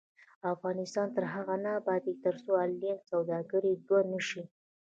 افغانستان تر هغو نه ابادیږي، ترڅو آنلاین سوداګري دود نشي.